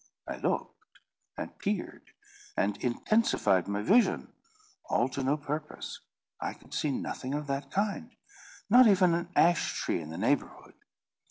I looked, and peered, and intensified my vision, all to no purpose. I could see nothing of that kind, not even an ash tree in the neighbourhood.